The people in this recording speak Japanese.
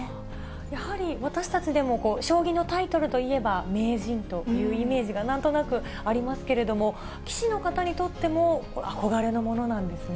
やはり私たちでも、将棋のタイトルといえば、名人というイメージがなんとなくありますけれども、棋士の方にとっても、憧れのものなんですね。